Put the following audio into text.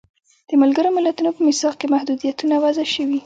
د ملګرو ملتونو په میثاق کې محدودیتونه وضع شوي.